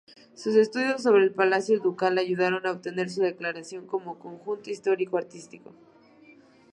Sus estudios sobre el Palacio Ducal ayudaron a obtener su declaración como conjunto histórico–artístico.